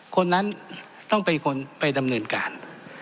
คนนั้นต้องไปดำเนินการ